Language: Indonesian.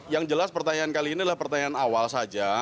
yang jelas pertanyaan kali ini adalah pertanyaan awal saja